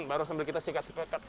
baru sambil kita sikat sikat